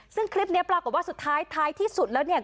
ซึ่งคลิปนี้ปรากฏว่าสุดท้ายท้ายที่สุดแล้วเนี่ย